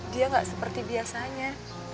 dia tidak seperti biasanya